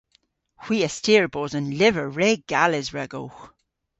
Hwi a styr bos an lyver re gales ragowgh.